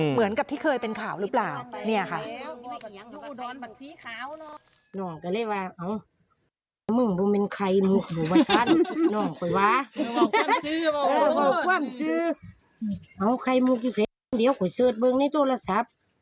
เหมือนกับที่เคยเป็นข่าวหรือเปล่า